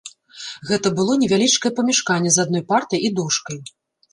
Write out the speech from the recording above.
Гэта было невялічкае памяшканне з адной партай і дошкай.